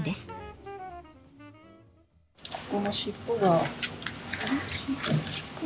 ここの尻尾が。